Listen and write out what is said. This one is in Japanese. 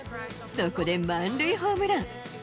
そこで満塁ホームラン。